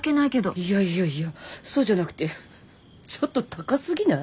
いやいやいやそうじゃなくてちょっと高すぎない？